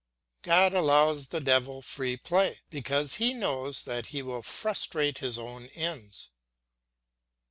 God allows the devil free play, because he knows that he will frustrate his own ends.